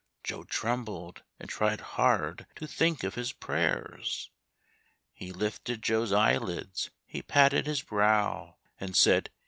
(Joe trembled, and tried hard to think of his prayers.) He lifted Joe's eyelids, he patted his brow, And said.